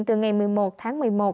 từ ngày một mươi một tháng một mươi một